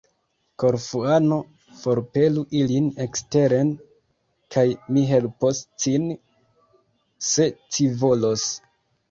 Korfuano, forpelu ilin eksteren, kaj mi helpos cin, se ci volos!